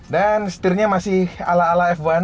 dan stirnya masih ala ala f satu yang